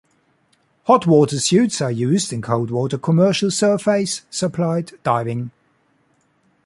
Hot water suits are used in cold water commercial surface supplied diving.